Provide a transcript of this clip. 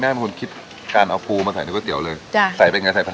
ทำไมถึงชื่อก๋วยเตี๋ยวปูสุขุมวิทซั่น